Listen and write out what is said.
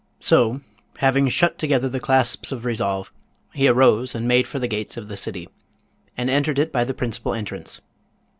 So, having shut together the clasps of resolve, he arose and made for the gates of the city, and entered it by the principal entrance.